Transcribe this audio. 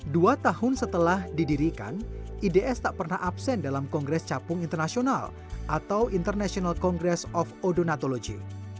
dua tahun setelah didirikan ids tak pernah absen dalam kongres capung internasional atau international congress of odonatologi